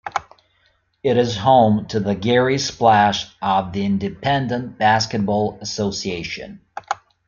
It is home to the Gary Splash of the Independent Basketball Association.